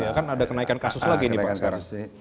ya kan ada kenaikan kasus lagi nih pak sekarang